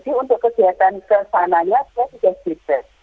jadi untuk kegiatan kesananya dia sudah selesai